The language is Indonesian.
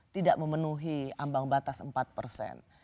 tidak memenuhi ambang batas empat persen